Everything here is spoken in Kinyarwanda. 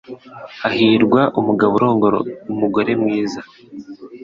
Hahirwa umugabo urongora umugore mwiza.